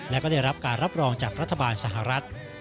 และก็ได้รับการรับรองจากรัฐบาลสหรัฐ